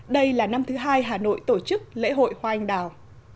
đây là năm thứ hai hà nội tổ chức lễ hội hoa anh đào